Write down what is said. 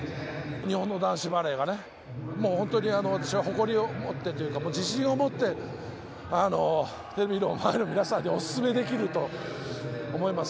日本の男子バレーが、私は誇りを持って、自信をもってテレビの前の皆さんにおすすめできると思います。